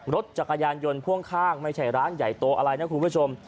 รถจักรยานยนต์พ่วงข้างไม่ใช่ร้านใหญ่โตอะไรนะคุณผู้ชม